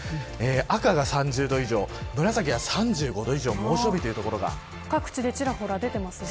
赤が３０度以上紫は３５度以上の各地でちらほら出ていますね。